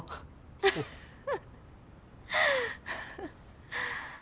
フフフフ。